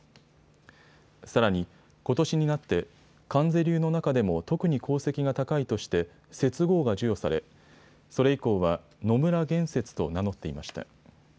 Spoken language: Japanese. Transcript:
さらに、ことしになって観世流の中でも特に功績が高いとして雪号が授与されそれ以降は野村幻雪と名乗っていました。